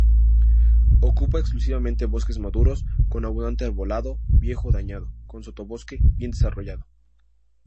Ocupa exclusivamente bosques maduros con abundante arbolado viejo o dañado, con sotobosque bien desarrollado.